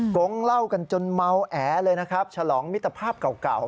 กงเล่ากันจนเมาแอเลยนะครับฉลองมิตรภาพเก่า